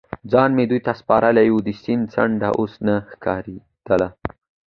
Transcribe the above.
ځان مې دې ته سپارلی و، د سیند څنډه اوس نه ښکارېده.